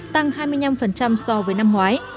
tăng hai mươi năm so với năm ngoái